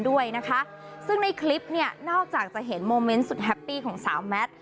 ด้วยนะคะซึ่งในคลิปเนี่ยนอกจากจะเห็นโมเมนต์สุดแฮปปี้ของสาวแมท